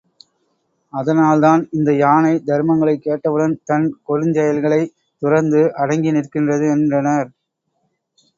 அதனால்தான் இந்த யானை தருமங்களைக் கேட்டவுடன் தன் கொடுஞ் செயல்களைத் துறந்து அடங்கி நிற்கின்றது என்றனர்.